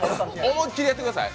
思いきりやってください。